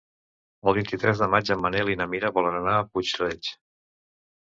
El vint-i-tres de maig en Manel i na Mira volen anar a Puig-reig.